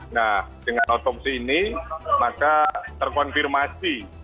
nah dengan otopsi ini maka terkonfirmasi